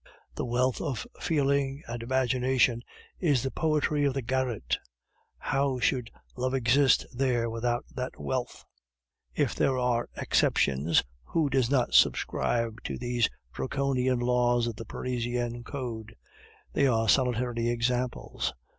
The wealth of feeling and imagination is the poetry of the garret; how should love exist there without that wealth? If there are exceptions who do not subscribe to these Draconian laws of the Parisian code, they are solitary examples.